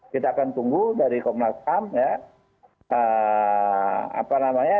kita akan tunggu dari komnas ham ya eee apa namanya